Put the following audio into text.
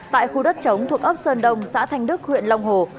tại khu đất chống thuộc ấp sơn đông xã thanh đức huyện long hồ